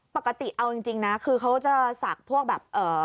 ปกติเอาจริงนะคือเขาจะศักดิ์